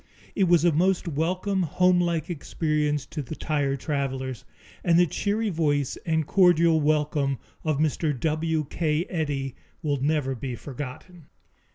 It was a most welcome, homelike experience to the tired travelers, and the cheery voice and cordial welcome of Mr. W. K. Eddy will never be forgotten.